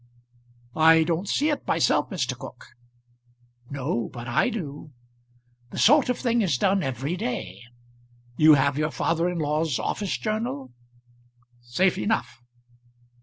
"I don't see it myself, Mr. Cooke." "No; but I do. The sort of thing is done every day. You have your father in law's office journal?" "Safe enough."